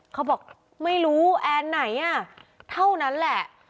เขาบอกไม่รู้แอนไหนอ่ะเท่านั้นแหละ